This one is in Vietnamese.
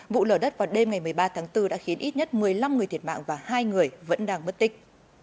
vụ lở đất vào đêm ngày một mươi ba tháng bốn đã khiến ít nhất một mươi năm người thiệt mạng và hai người vẫn đang bất tích